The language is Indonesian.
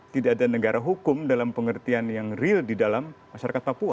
tidak ada negara hukum dalam pengertian yang real di dalam masyarakat papua